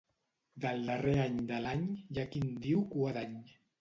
Del darrer any de l'any hi ha qui en diu Cua d'Any.